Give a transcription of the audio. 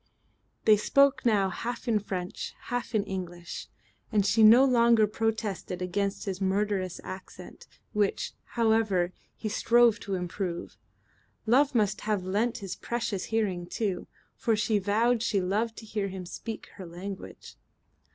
They spoke now half in French, half in English, and she no longer protested against his murderous accent, which, however, he strove to improve. Love must have lent its precious hearing too, for she vowed she loved to hear him speak her language.